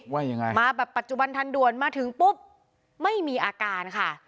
ว่ายังไงมาแบบปัจจุบันทันด่วนมาถึงปุ๊บไม่มีอาการค่ะ